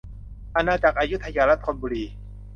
อาณาจักรอยุธยาและธนบุรี